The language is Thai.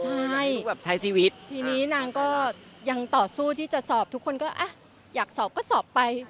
ใช่แบบใช้ชีวิตทีนี้นางก็ยังต่อสู้ที่จะสอบทุกคนก็อ่ะอยากสอบก็สอบไป